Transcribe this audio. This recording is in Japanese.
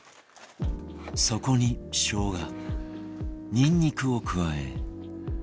そこにしょうがニンニクを加え